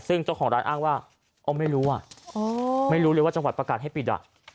ซึ่งเจ้าของร้านอ้างว่าอ๋อไม่รู้อ่ะไม่รู้เลยว่าจังหวัดประกาศให้ปิดอ่ะ